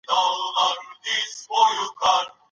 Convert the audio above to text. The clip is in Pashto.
هیواد په خپلو پانګوالو ویاړي.